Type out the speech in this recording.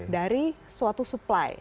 dari suatu supply